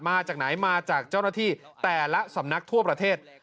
มาจากไหนมาจากเจ้าหน้าที่แต่ละสำนักทั่วประเทศ